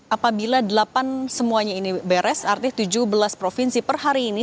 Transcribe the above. apabila delapan semuanya ini beres artinya tujuh belas provinsi per hari ini